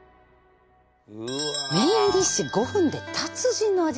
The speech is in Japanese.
メインディッシュ「５分で達人の味」ですって。